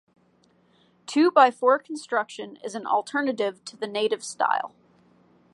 Two-by-four construction is an alternative to the native style.